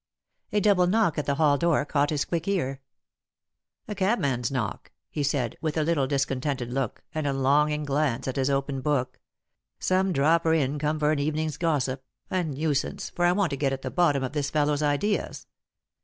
A double knock at the hall door caught his quick ear. " A cabman's knock," he said, with a little discontented look, and a longing glance at his open book ;" some dropper in come for an evening's gossip — a nuisance, for I want to get at the bottom of this fellow's ideas."